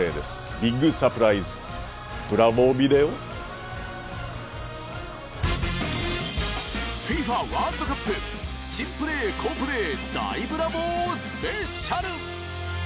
ビッグサプライズＦＩＦＡワールドカップ珍プレー好プレー大ブラボースペシャル。